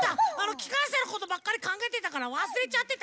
きかんしゃのことばっかりかんがえてたからわすれちゃってた！